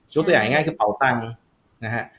ยกตัวอย่างง่ายคือเบาตังค์นะฮะ